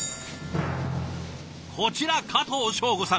こちら加藤彰悟さん。